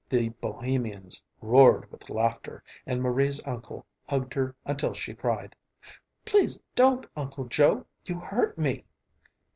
The Bohemians roared with laughter, and Marie's uncle hugged her until she cried, "Please don't, Uncle Joe! You hurt me."